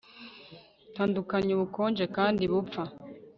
tandukanya ubukonje kandi bupfa